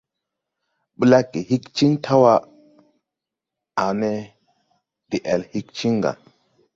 Blagge hig cin taw wa, ane deʼel hig ciŋ ga.